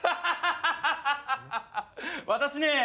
私ね